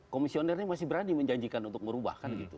komisionernya masih berani menjanjikan untuk merubahkan gitu